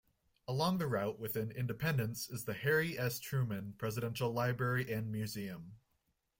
Along the route within Independence is the Harry S. Truman Presidential Library and Museum.